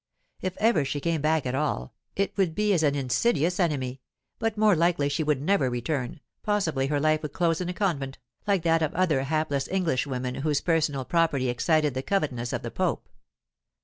If ever she came back at all, it would be as an insidious enemy; but more likely she would never return; possibly her life would close in a convent, like that of other hapless Englishwomen whose personal property excited the covetousness of the Pope.